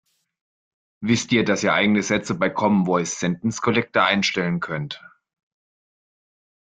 Wisst ihr, dass ihr eigene Sätze bei Common Voice Sentence Collector einstellen könnt?